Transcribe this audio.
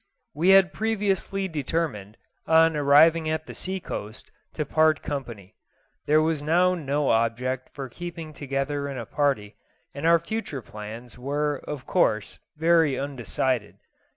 We had previously determined, on arriving at the sea coast, to part company. There was now no object for keeping together in a party, and our future plans were, of course, very undecided.